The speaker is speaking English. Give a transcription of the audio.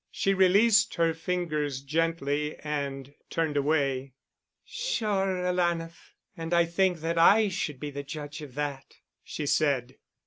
She released her fingers gently and turned away. "Sure Alanah, and I think that I should be the judge of that," she said.